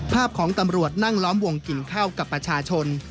ภาพของตำรวจนั่งล้อมวงกินข้าวกับประชาชน